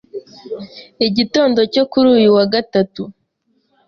iigitondo cyo kuri uyu wa gatatu,